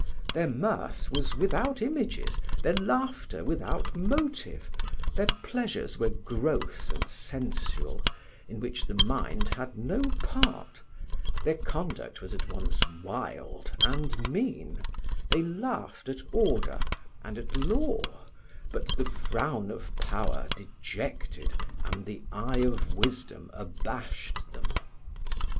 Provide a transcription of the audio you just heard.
Their mirth was without images, their laughter without motive; their pleasures were gross and sensual, in which the mind had no part; their conduct was at once wild and mean—they laughed at order and at law, but the frown of power dejected and the eye of wisdom abashed them.